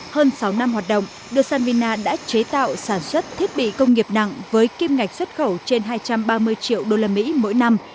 hơn sáu năm hoạt động deina đã chế tạo sản xuất thiết bị công nghiệp nặng với kim ngạch xuất khẩu trên hai trăm ba mươi triệu usd mỗi năm